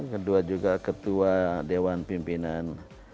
kedua juga ketua dewan pimpinan